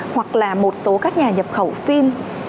hoặc là một số các nhà nhập khẩu phim